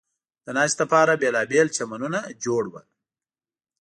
د ناستې لپاره بېلابېل چمنونه جوړ و.